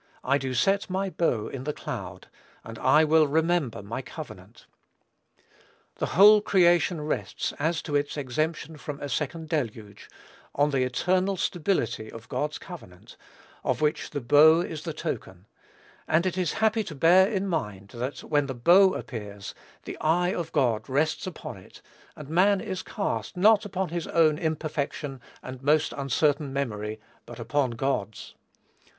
I do set my bow in the cloud ... and I will remember my covenant." The whole creation rests, as to its exemption from a second deluge, on the eternal stability of God's covenant, of which the bow is the token; and it is happy to bear in mind, that when the bow appears, the eye of God rests upon it; and man is cast, not upon his own imperfect and most uncertain memory, but upon God's.